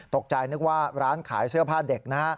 ตกใจนึกว่าร้านขายเสื้อผ้าเด็ก